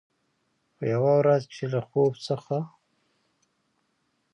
خو، یوه ورځ چې له خوب څخه